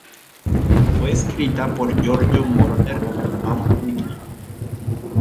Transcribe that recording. Fue escrita por Giorgio Moroder y Tom Whitlock.